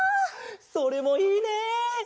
それもいいね！